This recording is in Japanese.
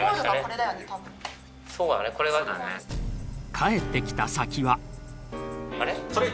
帰ってきた先は。